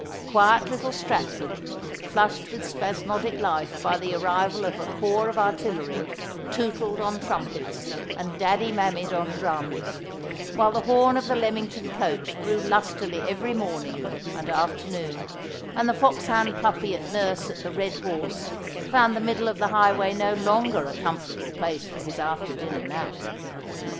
Quiet little Stratford, flushed with spasmodic life hy the arrival of a corps of artillery, tootled on trumpets, and daddy mammj ed on drums ; while the horn of the Leamington coach blew lustily every morningf and after noon, and the foxhound puppy at nurse at The Red Horse found the middle of the highway no longer a comfortable place for his after dinner nap.